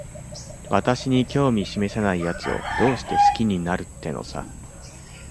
私に興味しめさないやつを、どうして好きになるってのさ。